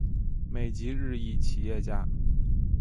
美籍日裔企业家。